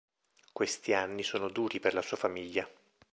Questi anni sono duri per la sua famiglia.